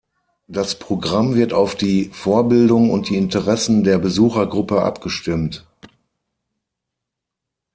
Das Programm wird auf die Vorbildung und die Interessen der Besuchergruppe abgestimmt.